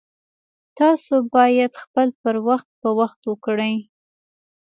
تاسو باید خپل پر وخت په وخت وکړئ